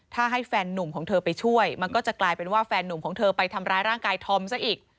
ถ้าให้แฟนนุ่มของเธอไปช่วยมันก็จะกลายเป็นว่าแฟนนุ่มของเธอไปทำร้ายร่างกายธอมซะอีก